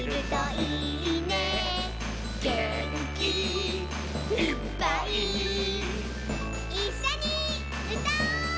「げんきいっぱい」「いっしょにうたおう！」